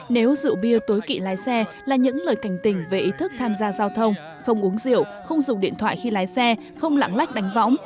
nếu rượu bia tối kỵ lái xe là những lời cảnh tỉnh về ý thức tham gia giao thông không uống rượu không dùng điện thoại khi lái xe không lãng lách đánh võng